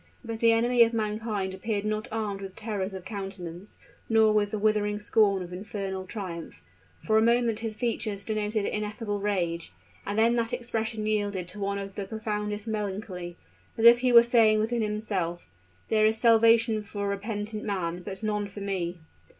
But the enemy of mankind appeared not armed with terrors of countenance, nor with the withering scorn of infernal triumph; for a moment his features denoted ineffable rage and then that expression yielded to one of the profoundest melancholy, as if he were saying within himself, "There is salvation for repentant man, but none for me!"